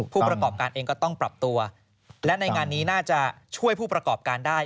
ผู้ประกอบการเองก็ต้องปรับตัวและในงานนี้น่าจะช่วยผู้ประกอบการได้